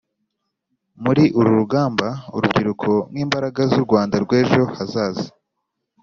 Muri uru rugamba, urubyiruko nk'imbaraga z'u Rwanda rw'ejo hazaza